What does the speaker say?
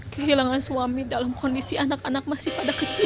kehilangan suami dalam kondisi anak anak masih pada kecil